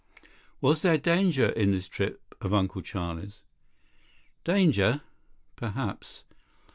"Was there danger in this trip of Uncle Charlie's?" "Danger? Perhaps.